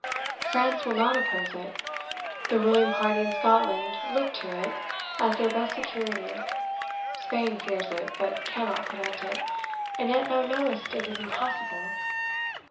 France will not oppose it. The ruling party in Scotland look to it as their best security. Spain fears it, but cannot prevent it. And yet thou knowest it is impossible."